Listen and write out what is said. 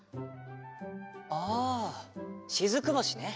ああしずく星ね。